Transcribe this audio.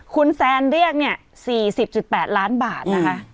คุณแซนเรียก๔๐๘ล้านบาท